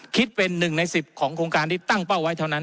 คิดเป็น๑ใน๑๐ของโครงการที่ตั้งเป้าไว้เท่านั้น